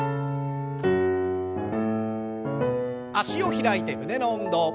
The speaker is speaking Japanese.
脚を開いて胸の運動。